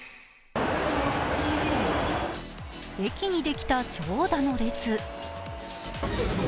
駅にできた長蛇の列。